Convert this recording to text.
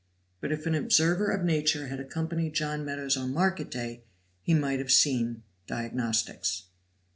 But if an observer of nature had accompanied John Meadows on market day he might have seen diagnostics.